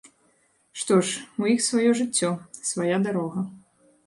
Што ж, у іх сваё жыццё, свая дарога.